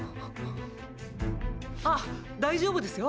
あっ大丈夫ですよ